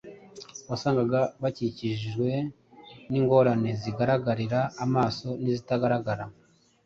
wasangaga bakikijwe n’ingorane zigaragarira amaso n’izitagaragara.